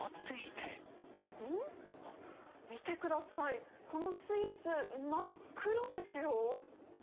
見てください、このスイーツ、真っ黒ですよ。